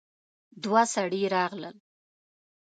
دوه سړي راغلل.